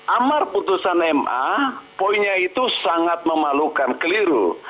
amar putusan ma poinnya itu sangat memalukan keliru